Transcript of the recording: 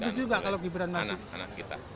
bapak setuju nggak kalau gibran masyarakat